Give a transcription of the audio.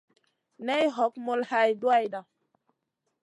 Nay hog mul hay duwayda.